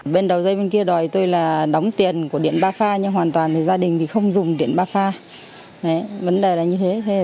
hoàn toàn gia đình không dùng điện bà pha vấn đề là như thế